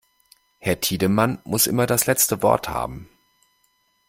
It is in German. Herr Tiedemann muss immer das letzte Wort haben.